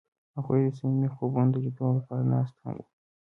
هغوی د صمیمي خوبونو د لیدلو لپاره ناست هم وو.